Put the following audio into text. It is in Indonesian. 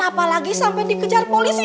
apalagi sampai dikejar polisi